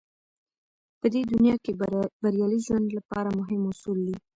په دې دنيا کې بريالي ژوند لپاره مهم اصول دی.